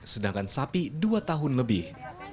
sedangkan sapi dua tahun lebih